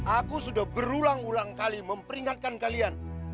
aku sudah berulang ulang kali memperingatkan kalian